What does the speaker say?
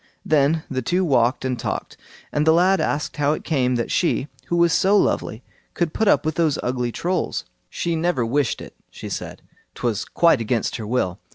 Then the two talked and talked, and the lad asked how it came that she, who was so lovely, could put up with those ugly Trolls. She never wished it, she said; 'twas quite against her will.